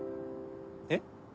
えっ？